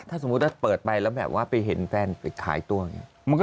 ถ้าสมมุติว่าเปิดไปแล้วแบบว่าไปเห็นแฟนไปขายตัวอย่างนี้